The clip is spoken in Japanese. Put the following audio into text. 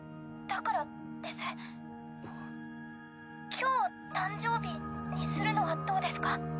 今日を誕生日にするのはどうですか？